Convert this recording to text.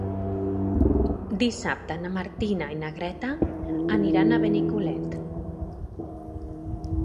Dissabte na Martina i na Greta aniran a Benicolet.